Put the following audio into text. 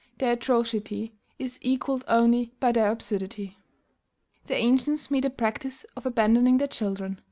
Their atrocity is equalled only by their absurdity. The ancients made a practice of abandoning their children.